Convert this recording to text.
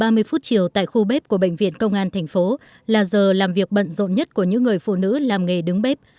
bốn giờ ba mươi phút chiều tại khu bếp của bệnh viện công an tp là giờ làm việc bận rộn nhất của những người phụ nữ làm nghề đứng bếp